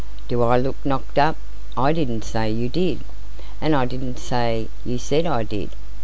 "Do I look knocked up?" "I didn't say you did." "And I didn't say you said I did....